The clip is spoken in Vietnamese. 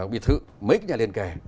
biệt thự mấy cái nhà liền kề